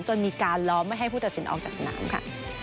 จนมีการล้อมไม่ให้ผู้ตัดสินออกจากสนามค่ะ